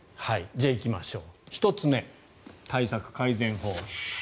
じゃあ、行きましょう１つ目対策改善法。